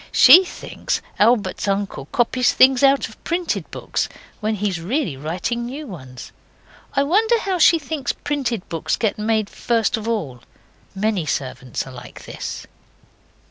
She thinks Albert's uncle copies things out of printed books, when he is really writing new ones. I wonder how she thinks printed books get made first of all. Many servants are like this.